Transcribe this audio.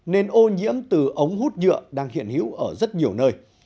nên ô nhiễm từ ống hút nhựa đang hiện hữu ở rất nhiều nơi